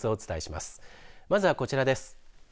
まずはこちらです。